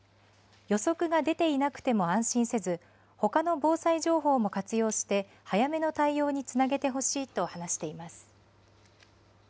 予測が出ていなくても安心せず、ほかの防災情報も活用して、早めの対応につなげてほしいと話しています。